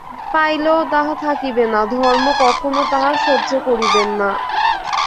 পাইলেও তাহা থাকিবে না, ধর্ম কখনো তাহা সহ্য করিবেন না।